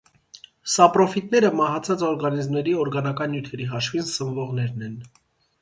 Սապրոֆիտները մահացած օրգանիզմների օրգանական նյութերի հաշվին սնվողներն են։